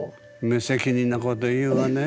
無責任なこと言うわね。